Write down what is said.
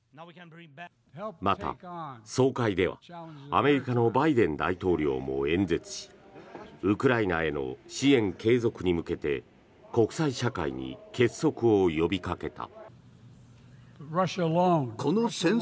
また総会では、アメリカのバイデン大統領も演説しウクライナへの支援継続に向けて国際社会に結束を呼びかけた。